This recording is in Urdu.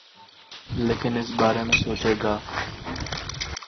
لیکن اس بارے میں سوچے گا۔